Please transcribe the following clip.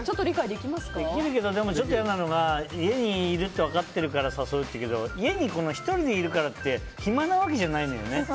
できるけど、ちょっと嫌なのが家にいるって分かるから誘うっていうけど家に１人でいるからって暇なわけじゃないのよね。